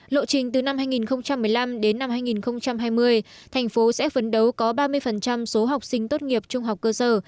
lộ trình từ năm hai nghìn một mươi năm đến năm hai nghìn hai mươi thành phố sẽ phấn đấu có ba mươi số học sinh tốt nghiệp trung học cơ sở